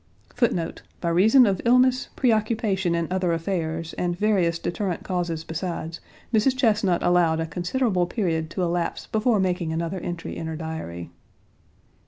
1 1. By reason of illness, preoccupation in other affairs, and various deterrent causes besides, Mrs. Chesnut allowed a considerable period to elapse before making another entry in her diary.